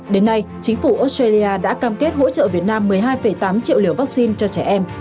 đến nay chính phủ australia đã cam kết hỗ trợ việt nam một mươi hai tám triệu liều vaccine cho trẻ em